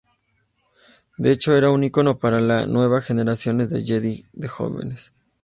De hecho era un icono para la nueva generación de Jedi más jóvenes.